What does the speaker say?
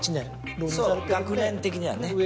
そう学年的にはね。